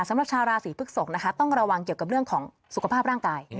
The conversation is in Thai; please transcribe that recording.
สำหรับชาวราศีพฤกษกนะคะต้องระวังเกี่ยวกับเรื่องของสุขภาพร่างกาย